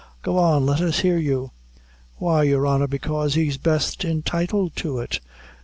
Go on! Let us hear you!" "Why, your honor, bekaise he's best entitled to it.